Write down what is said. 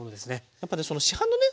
やっぱね市販のね